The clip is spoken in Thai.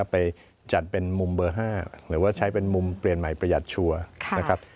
ไปจัดเป็นมุมเบอร์๕หรือว่าใช้เป็นมุมเปลี่ยนใหม่ประหยัดชัวร์นะครับ